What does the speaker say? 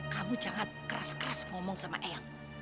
kamu jangan keras keras ngomong sama ayahku